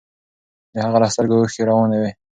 د هغه له سترګو اوښکې روانې وې.